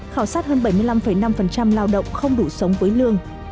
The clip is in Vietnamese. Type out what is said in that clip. khảo sát hơn bảy mươi năm năm lao động không đủ sống với lương